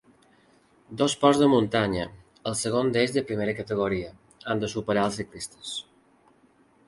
Dos ports de muntanya, el segon d'ells de primera categoria, han de superar els ciclistes.